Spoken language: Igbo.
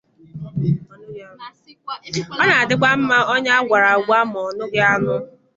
Ọ na-adịkwa mma onye a gwara agwa ma ọ nụghị anụ